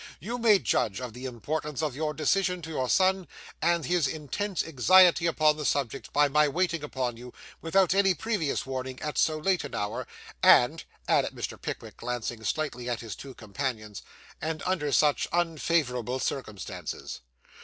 You may judge of the importance of your decision to your son, and his intense anxiety upon the subject, by my waiting upon you, without any previous warning, at so late an hour; and,' added Mr. Pickwick, glancing slightly at his two companions 'and under such unfavourable circumstances.